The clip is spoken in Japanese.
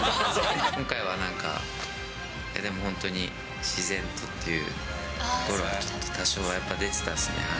今回はなんか、でも本当に自然とっていうところは多少やっぱ出てたっすね。